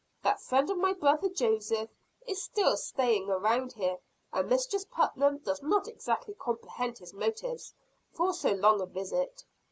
That friend of my brother Joseph, is still staying around here; and Mistress Putnam does not exactly comprehend his motives for so long a visit."